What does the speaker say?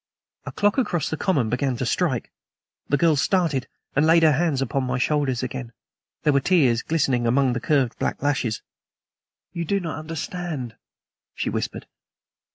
A clock across the common began to strike. The girl started and laid her hands upon my shoulders again. There were tears glittering among the curved black lashes. "You do not understand," she whispered.